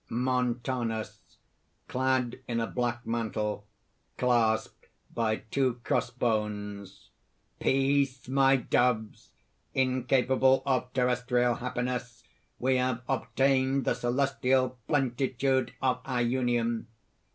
_) MONTANUS (clad in a black mantle, clasped by two cross bones): "Peace, my doves! Incapable of terrestrial happiness, we have obtained the celestial plentitude of our union.